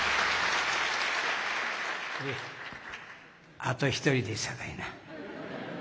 あと一人ですさかいな。